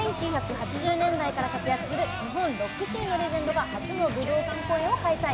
１９８０年代から活躍する日本ロックシーンのレジェンドが初の武道館公演を開催。